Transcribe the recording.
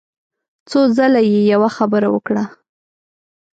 څو ځله يې يوه خبره وکړه.